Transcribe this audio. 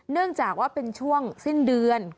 เนื่องจากว่าเป็นช่วงสิ้นเดือน